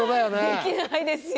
できないですよ。